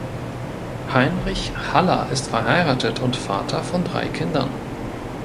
Heinrich Haller ist verheiratet und Vater von drei Kindern.